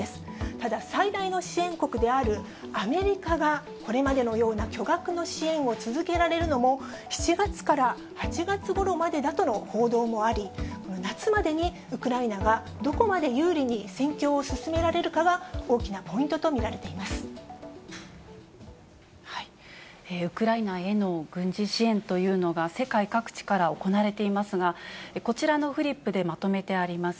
ただ、最大の支援国であるアメリカがこれまでのような巨額の支援を続けられるのも、７月から８月ごろまでだとの報道もあり、夏までにウクライナがどこまで有利に戦況を進められるかが、ウクライナへの軍事支援というのが、世界各地から行われていますが、こちらのフリップでまとめてあります